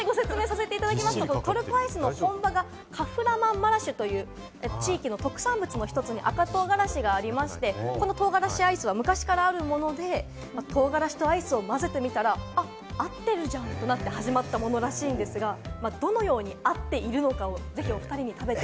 トルコアイスの本場がカフラマンマラシュという地域の特産物の一つに赤唐辛子がありまして、この唐辛子アイスは昔からあるもので、唐辛子とアイスを混ぜてみたら合っているじゃん！となって始まったものらしいんですが、どのように合っているのかをお２人にぜひ食べて。